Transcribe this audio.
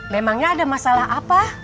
memangnya ada masalah apa